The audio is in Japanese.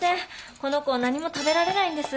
この子何も食べられないんです。